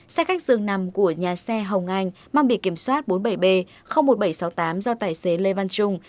xe khách dường nằm của nhà xe hồng anh mang bị kiểm soát bốn mươi bảy b một nghìn bảy trăm sáu mươi tám do tài xế lê văn trung